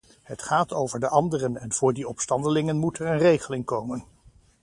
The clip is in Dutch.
Het gaat over de anderen en voor die opstandelingen moet er een regeling komen.